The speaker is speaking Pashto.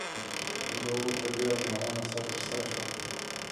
لوبه په ډېره مېړانه سره ترسره شوه.